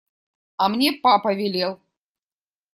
А мне папа велел…